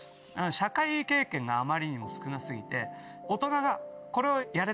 社会経験があまりにも少な過ぎて。